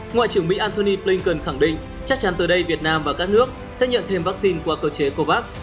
ngoại trưởng mỹ antony blinken khẳng định chắc chắn tới đây việt nam và các nước sẽ nhận thêm vaccine qua cơ chế covax